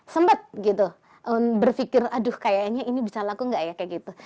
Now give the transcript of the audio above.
sempat gitu berpikir aduh kayaknya ini bisa laku gak ya kayak gitu